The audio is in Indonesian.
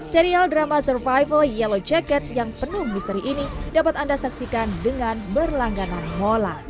serial drama survival yellow jackets yang penuh misteri ini dapat anda saksikan dengan berlangganan mola